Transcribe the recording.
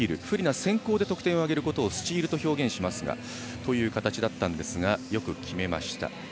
不利な先攻で得点を挙げることをスチールと表現しますがそういう形だったんですがよく決めました。